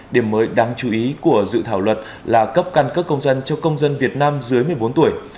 điểm mới đáng chú ý của dự thảo luật là cấp căn cấp công dân cho công dân việt nam dưới một mươi bốn tuổi